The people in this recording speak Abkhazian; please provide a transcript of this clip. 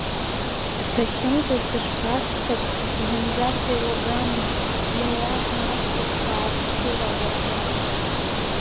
Сахьымӡоз, сышԥаццак, зынӡа сеилагама, иауаз маҷӡак сааԥшыр агаӡа!